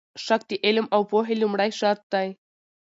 شک د علم او پوهې لومړی شرط دی.